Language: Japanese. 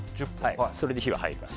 それで火は入ります。